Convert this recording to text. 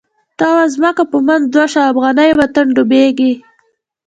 ته وا ځمکه په منځ دوه شوه، افغانی وطن ډوبیږی